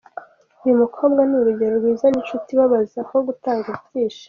Uyu mukobwa ni urugero rwiza rw’inshuti ibabaza aho gutanga ibyishimo”.